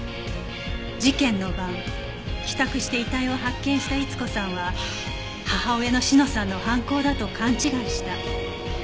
事件の晩帰宅して遺体を発見した逸子さんは母親の志乃さんの犯行だと勘違いした。